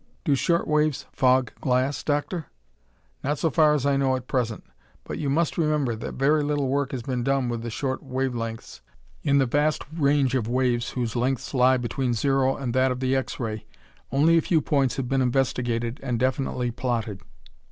"Do short waves fog glass, Doctor?" "Not so far as I know at present, but you must remember that very little work has been done with the short wave lengths. In the vast range of waves whose lengths lie between zero and that of the X ray, only a few points have been investigated and definitely plotted.